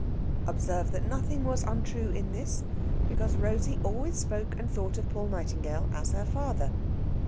Observe that nothing was untrue in this, because Rosey always spoke and thought of Paul Nightingale as her father.